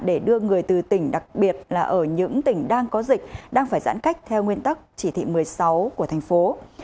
để đưa người từ tỉnh đặc biệt là ở những tỉnh đang có dịch đang phải giãn cách theo nguyên tắc chỉ thị một mươi sáu của thành phố